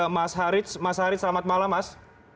mas harij mas harij selamat malam mas